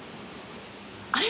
あれ？